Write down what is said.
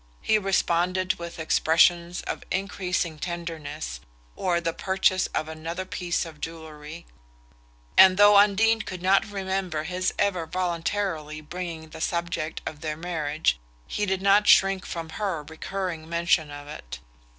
He responded with expressions of increasing tenderness, or the purchase of another piece of jewelry; and though Undine could not remember his ever voluntarily bringing the subject of their marriage he did not shrink from her recurring mention of it.